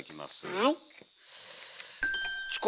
はい。